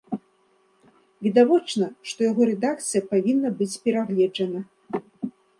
Відавочна, што яго рэдакцыя павінна быць перагледжана.